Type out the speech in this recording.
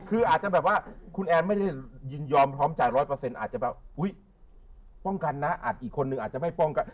คืออาจจะแบบว่าคุณแอนไม่ได้ยินยอมพร้อมจ่ายร้อยเปอร์เซ็นต์อาจจะแบบอุ๊ยป้องกันนะอาจอีกคนนึงอาจจะไม่ป้องกัน